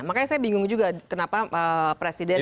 makanya saya bingung juga kenapa presiden